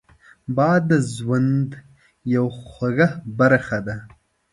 باد د ژوند یوه خوږه برخه ده